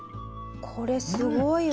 これすごいわ！